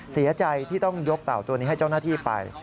เสียใจที่ต้องยกเต่าตัวนี้ให้เจ้าหน้าที่ไป